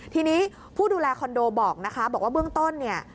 ทีนี้ผู้ดูแลคอนโดบอกว่าเบื้องต้น